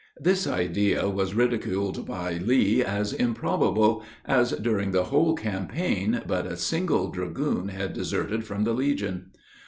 This idea was ridiculed by Lee as improbable, as, during the whole campaign, but a single dragoon had deserted from the legion.